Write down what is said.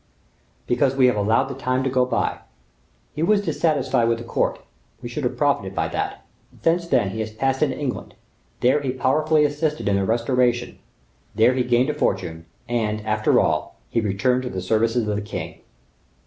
"Because we have allowed the time to go by. He was dissatisfied with the court, we should have profited by that; since that, he has passed into England; there he powerfully assisted in the restoration, there he gained a fortune, and, after all, he returned to the service of the king.